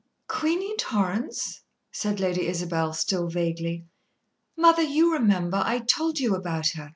"Queenie Torrance?" said Lady Isabel, still vaguely. "Mother, you remember I told you about her.